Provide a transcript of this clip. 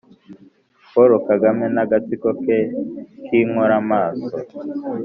Paul Kagame n'agatsiko ke k'inkoramaraso.